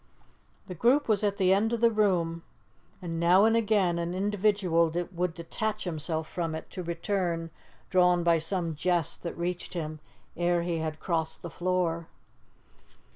The group was at the end of the room, and now and again an individual would detach himself from it, to return, drawn by some jest that reached him ere he had crossed the floor.